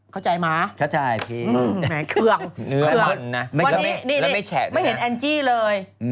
เข้าใจมั้ยแม่เคืองไม่เห็นแอลจี้เลย